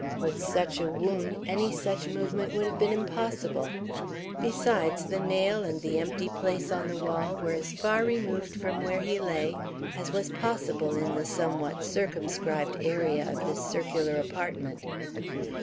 With such a wound, any such movement would have been impossible. Besides, the nail and the empty place on the wall were as far removed from where he lay as was possible in the somewhat circumscribed area of this circular apartment.